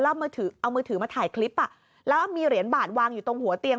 เอามือถือมาถ่ายคลิปแล้วมีเหรียญบาทวางอยู่ตรงหัวเตียง